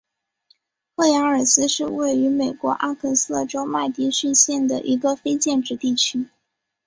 赫亚尔思是位于美国阿肯色州麦迪逊县的一个非建制地区。